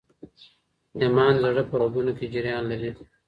ایمان د زړه په رګونو کي جریان لري.